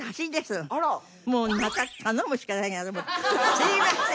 すいません！